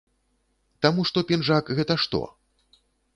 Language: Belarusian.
Таму што пінжак гэта што?